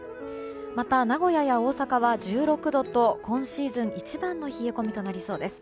また、名古屋や大阪は１６度と今シーズン一番の冷え込みとなりそうです。